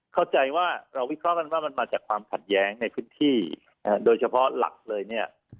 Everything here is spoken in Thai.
เข้าใจว่าเราวิเคราะห์กันว่ามันมาจากความขัดแย้งในพื้นที่โดยเฉพาะหลักเลยเนี่ย